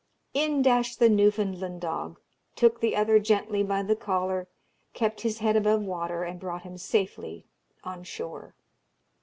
In dashed the Newfoundland dog, took the other gently by the collar, kept his head above water, and brought him safely on shore.